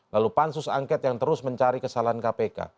lalu pansus angket yang terus mencari kesalahan kpk